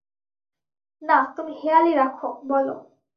না, তুমি হেঁয়ালি রাখো, বলো।